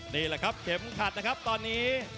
นี่แหละครับเข็มขัดนะครับตอนนี้